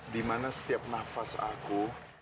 dimana setiap nafas aku